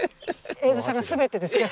栄三さんが全てですから。